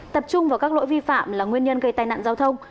tập trung vào các lỗi vi phạm là nguyên nhân gây tai nạn giao thông